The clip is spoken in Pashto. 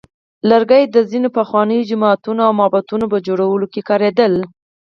لرګي د ځینو پخوانیو جوماتونو او معبدونو په جوړولو کې کارېدلی دی.